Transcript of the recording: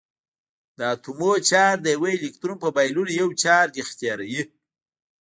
د اتومونو چارج د یوه الکترون په بایللو یو چارج اختیاروي.